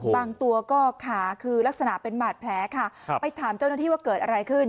บางตัวก็ขาคือลักษณะเป็นบาดแผลค่ะไปถามเจ้าหน้าที่ว่าเกิดอะไรขึ้น